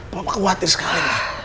papa khawatir sekali